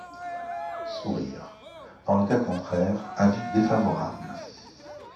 (Sourires.) Dans le cas contraire, avis défavorable.